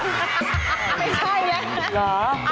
ไม่ใช่นะ